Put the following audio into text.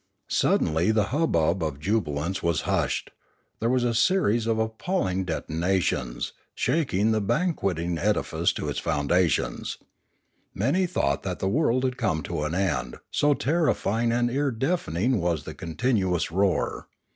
Suddenly the hubbub of jubilance was hushed; there was a series of appalling detonations, shaking the banqueting edifice to its foundations; many thought that the world had come to an end so terrifying and ear deafening was the continuous roar.